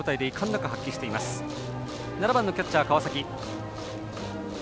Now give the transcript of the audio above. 打席は７番キャッチャー、川崎。